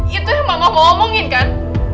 itu yang mama mau omongin kan